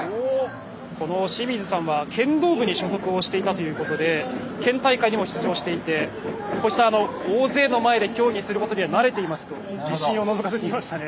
この清水さんは剣道部に所属をしていたということで県大会にも出場していてこうした大勢の前で競技することには慣れていますと自信をのぞかせていましたね。